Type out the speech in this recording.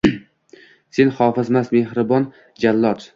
Sen hofizmas, mehribon jallod